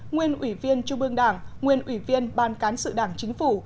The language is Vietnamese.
nguyên ủy viên chủ bương đảng nguyên ủy viên ban cán sự đảng chính phủ